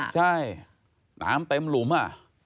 ใช่น้ำเต็มหลุม